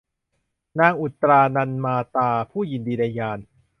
นางอุตตรา นันทมาตา ผู้ยินดีในฌาน